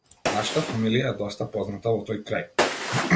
Нашата фамилија е доста позната во тој крај.